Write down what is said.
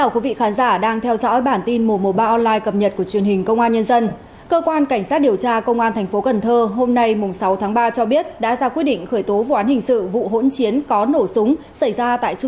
cảm ơn các bạn đã theo dõi